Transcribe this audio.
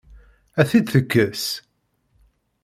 Ad t-id-tekkes?